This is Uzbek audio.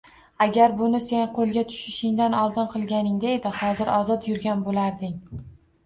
Agar buni sen qo‘lga tushishingdan oldin qilganingda edi, hozir ozod yurgan bo‘larding